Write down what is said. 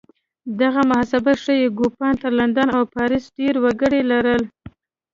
دغه محاسبه ښيي کوپان تر لندن او پاریس ډېر وګړي لرل